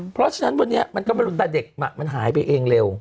เพราะฉะนั้นวันนี้มันก็ไม่รู้แต่เด็กมันหายไปเองเร็ว